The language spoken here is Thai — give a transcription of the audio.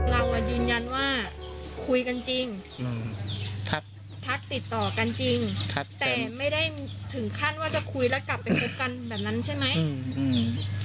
เราอ่ะยืนยันว่าคุยกันจริงทักติดต่อกันจริงครับแต่ไม่ได้ถึงขั้นว่าจะคุยแล้วกลับไปคบกันแบบนั้นใช่ไหมอืม